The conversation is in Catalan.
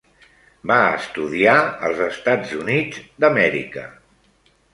Va estudiar als Estats Units d'Amèrica.